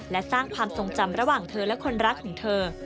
และสร้างความทรงจำระหว่างเธอและคนรักของเธอ